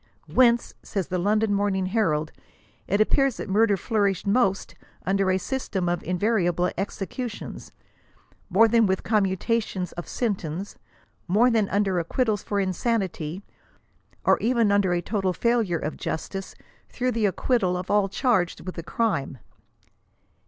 ^ Whence, says the London Morning Herald, it appears, that mur der flourished most under a system of invariable executions ; more then than with commutations of sentence ; more than under acquit tals for insanity, or even under a total failure of justice through the acquittal of all charged with the crime."